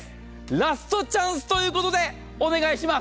ラストチャンスということでお願いします。